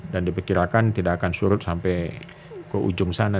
dan diperkirakan tidak akan surut sampai ke ujung sana